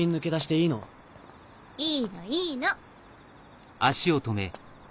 いいのいいの。